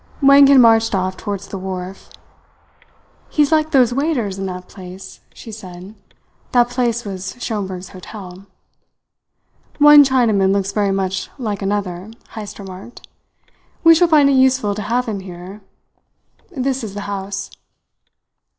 Wang had marched off towards the wharf. "He's like those waiters in that place," she said. That place was Schomberg's hotel. "One Chinaman looks very much like another," Heyst remarked. "We shall find it useful to have him here. This is the house."